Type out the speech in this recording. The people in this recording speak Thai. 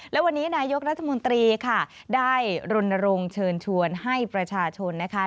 และวันนี้นายกรัฐมนตรีค่ะได้รณรงค์เชิญชวนให้ประชาชนนะคะ